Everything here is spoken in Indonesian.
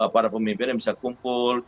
para pemimpin yang bisa kumpul